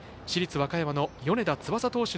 市立和歌山の米田天